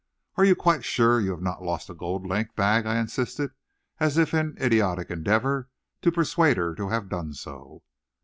"Are you quite sure you have not lost a gold link bag?" I insisted, as if in idiotic endeavor to persuade her to have done so.